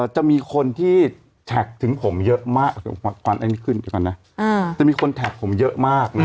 จะมีคนที่แท็กถึงผมเยอะมาก